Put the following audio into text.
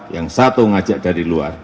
yang satu ngajak dari luar